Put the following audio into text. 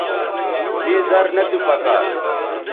مے زر نہ تو پکار